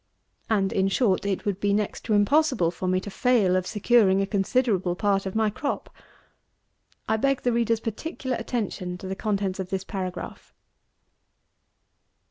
And, in short, it would be next to impossible for me to fail of securing a considerable part of my crop. I beg the reader's particular attention to the contents of this paragraph.